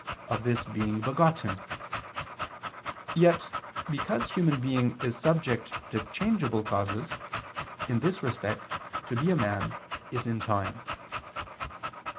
of this being begotten: yet, because human being is subject to changeable causes, in this respect, to be a man is in time.